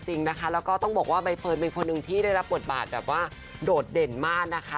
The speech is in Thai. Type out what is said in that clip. จริงนะคะแล้วก็ต้องบอกว่าใบเฟิร์นเป็นคนหนึ่งที่ได้รับบทบาทแบบว่าโดดเด่นมากนะคะ